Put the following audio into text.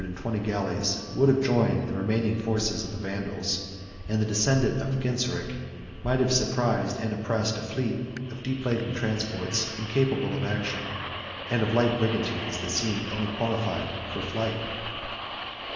A detachment of five thousand soldiers, and one hundred and twenty galleys, would have joined the remaining forces of the Vandals; and the descendant of Genseric might have surprised and oppressed a fleet of deep laden transports, incapable of action, and of light brigantines that seemed only qualified for flight.